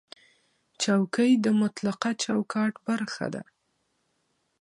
چوکۍ د متعلقه چوکاټ برخه ده.